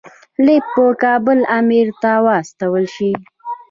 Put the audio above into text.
لیک په کابل امیر ته واستول شي.